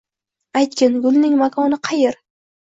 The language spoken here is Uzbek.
Aytgin, gulning makoni qayer?